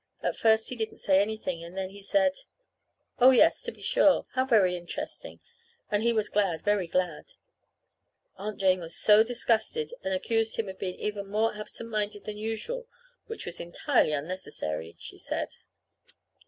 At first he didn't say anything; then he said, oh, yes, to be sure, how very interesting, and he was glad, very glad. And Aunt Jane was so disgusted, and accused him of being even more absent minded than usual, which was entirely unnecessary, she said.